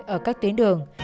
ở các tuyến đường